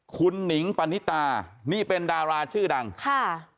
คุณหนิงปณิตานี่เป็นดาราชื่อดังค่ะ